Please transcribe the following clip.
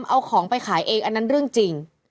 เอาของไปขายเองอันนั้นเรื่องจริง